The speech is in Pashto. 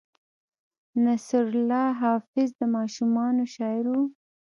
نصرالله حافظ د ماشومانو شاعر و.